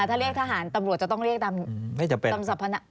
ถ้าเรียกทหารตำรวจจะต้องเรียกตามสรรพนัก